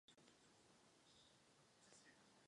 Naneštěstí se od té doby nic nezměnilo.